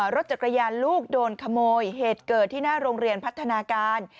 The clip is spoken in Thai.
รถจักรยานลูกโดนขโมยเหตุเกิดที่หน้าโรงเรียนพัฒนาการ